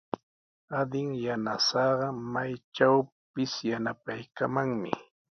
Adin yanasaaqa may chaytrawpis yanapaykamanmi.